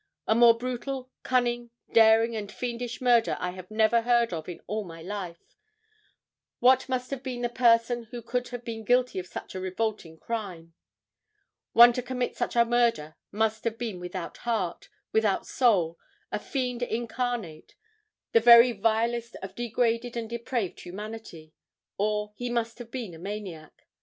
A more brutal, cunning, daring and fiendish murder I never heard of in all my life. What must have been the person who could have been guilty of such a revolting crime? One to commit such a murder must have been without heart, without soul, a fiend incarnate, the very vilest of degraded and depraved humanity, or he must have been a maniac.